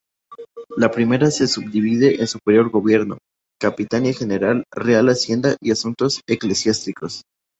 La primera se subdivide en Superior gobierno, Capitanía General, Real Hacienda y Asuntos Eclesiásticos.